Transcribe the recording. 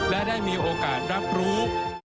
และได้มีโอกาสรับรู้